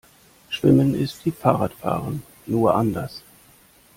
Schwimmen ist wie Fahrradfahren, nur anders.